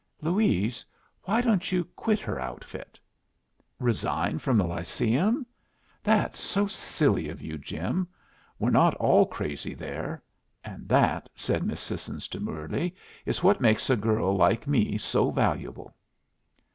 "Louise, why don't you quit her outfit?" "Resign from the Lyceum? That's so silly of you, Jim. We're not all crazy there; and that," said Miss Sissons, demurely, "is what makes a girl like me so valuable!"